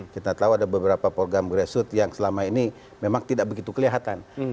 kita tahu ada beberapa program grassroots yang selama ini memang tidak begitu kelihatan